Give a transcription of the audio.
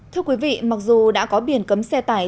thưa quý vị mặc dù đã có biển cấm xe tải